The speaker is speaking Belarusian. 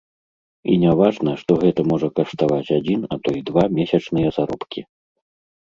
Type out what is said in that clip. І не важна, што гэта можа каштаваць адзін, а то і два месячныя заробкі.